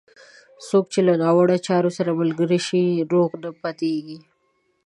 څوک چې له ناوړه چارو سره ملګری شي، روغ نه پاتېږي.